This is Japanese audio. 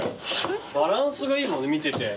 バランスがいいもんね見てて。